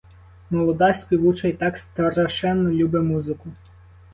Молода, співуча й так страшенно любе музику.